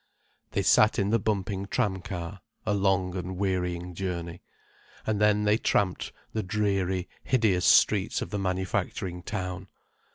They sat in the bumping tram car, a long and wearying journey. And then they tramped the dreary, hideous streets of the manufacturing town.